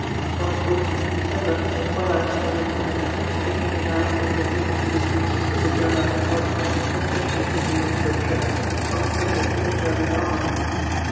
On the 14th of December, while I CHATEAUBRIAND. 309 was in the midst of tempests, the king announced that he had written to the princes of the Germanic hody (especially to the Elector of Treves), on the subject of the German armaments.